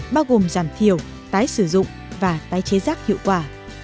bao gồm giảm thiểu tái sử dụng và tái chế rác hiệu quả